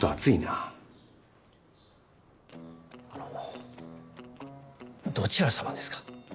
あのどちら様ですか？